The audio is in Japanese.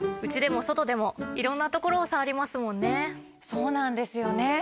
そうなんですよね。